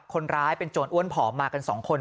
คนร้ายเป็นโจรอ้วนผอมมากัน๒คน